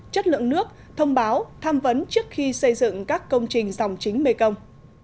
chất lượng nước thông báo tham vấn trước khi xây dựng các công trình dòng chính mekong